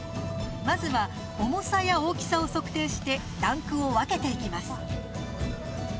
まずは、重さや大きさを測定してランクを分けていきます。